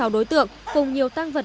sáu mươi sáu đối tượng cùng nhiều tăng vật